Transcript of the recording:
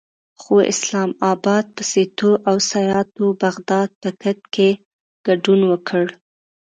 خو اسلام اباد په سیتو او سیاتو او بغداد پکت کې ګډون وکړ.